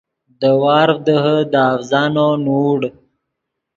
دے وارڤ دیہے دے اڤزانو نوڑ